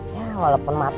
ya walaupun mata